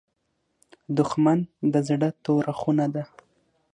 دښمن د زړه توره خونه ده